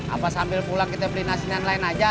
apa sambil pulang kita beli nasi yang lain aja